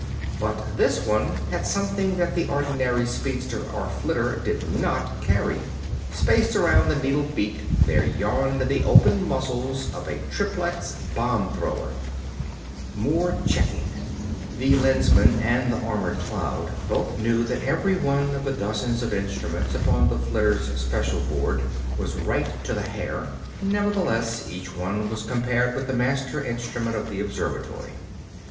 But this one had something that the ordinary speedster or flitter did not carry; spaced around the needle beak there yawned the open muzzles of a triplex bomb thrower. Ten seconds in which to solve the equation—to choose, fire, move clear—the flitter bucked. More checking. The Lensman and the armored Cloud both knew that every one of the dozens of instruments upon the flitter's special board was right to the hair; nevertheless each one was compared with the master instrument of the observatory.